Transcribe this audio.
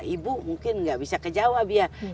ibu mungkin tidak bisa ke jawab ya